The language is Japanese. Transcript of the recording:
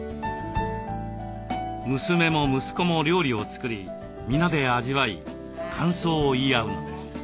娘も息子も料理を作り皆で味わい感想を言い合うのです。